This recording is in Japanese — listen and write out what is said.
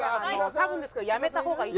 多分ですけどやめた方がいい。